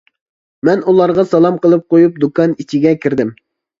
مەن ئۇلارغا سالام قىلىپ قۇيۇپ دۇكان ئىچىگە كىردىم.